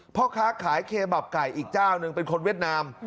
พ่อค้าขายเคบับไก่อีกเจ้าหนึ่งเป็นคนเวียดนาม